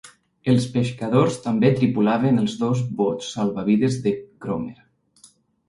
Els pescadors també tripulaven els dos bots salvavides de Cromer.